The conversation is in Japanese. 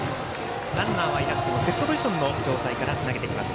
ランナーはいなくともセットポジションで投げてきます